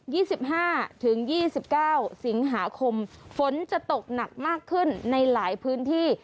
สิบห้าถึงยี่สิบเก้าสิงหาคมฝนจะตกหนักมากขึ้นในหลายพื้นที่